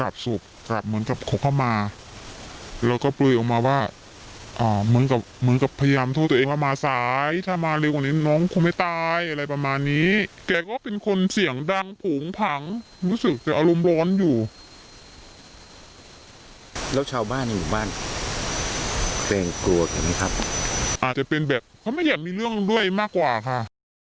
แบบครับอาจจะเป็นแบบเขาไม่อยากมีเรื่องไรมากกว่าค่ะ